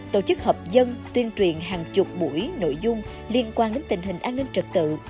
tổ chức hợp dân tuyên truyền hàng chục buổi nội dung liên quan đến tình hình an ninh trật tự